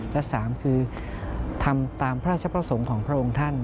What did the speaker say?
และ๓คือทำตามพระราชประสงค์ของพระองค์ท่าน